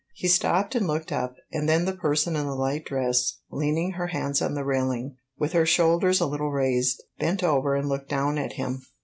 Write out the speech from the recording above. He stopped and looked up, and then the person in the light dress, leaning her hands on the railing, with her shoulders a little raised, bent over and looked down at him.